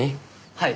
はい。